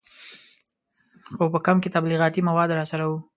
خو په کمپ کې تبلیغاتي مواد راسره وو.